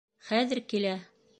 Хәҙер килә!